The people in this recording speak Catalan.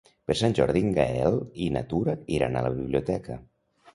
Per Sant Jordi en Gaël i na Tura iran a la biblioteca.